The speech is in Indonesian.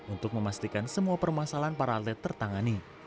untuk memastikan semua permasalahan para atlet tertangani